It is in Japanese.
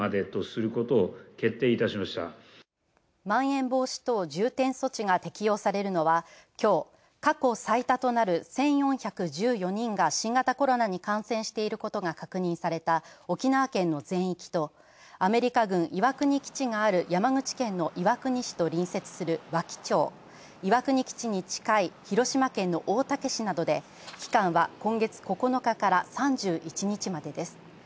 まん延防止等重点措置が適用されるのは今日、過去最多となる１４１４人が新型コロナに感染していることが確認された沖縄県の全域とアメリカ軍岩国基地がある山口県の岩国市と隣接する和木町岩国基地に近い広島県の大竹市などで期間は今月９日から３１日までです。